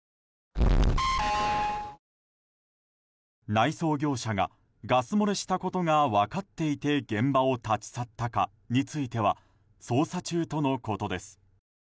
内装業者がガス漏れしたことが分かっていて現場を立ち去ったかについては捜査中とのことです。